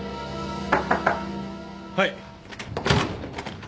はい。